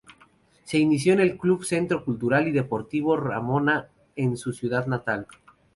Se inició en el Club Centro Cultural y Deportivo Ramona de su ciudad natal.